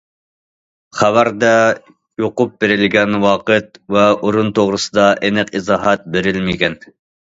خەۋەردە يۇقۇپ بېرىلگەن ۋاقىت ۋە ئورۇن توغرىسىدا ئېنىق ئىزاھات بېرىلمىگەن.